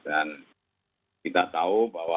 dan kita tahu bahwa